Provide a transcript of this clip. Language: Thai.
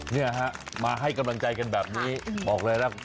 เนี่ยฮะมาให้กำลังใจกันแบบนี้บอกเลยนะ